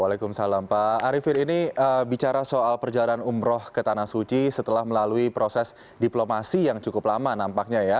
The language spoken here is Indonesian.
waalaikumsalam pak arifin ini bicara soal perjalanan umroh ke tanah suci setelah melalui proses diplomasi yang cukup lama nampaknya ya